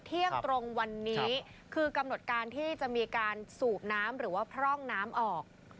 เที่ยงตรงวันนี้คือกำหนดการที่จะมีการสูบน้ำหรือว่าพร่องน้ำออก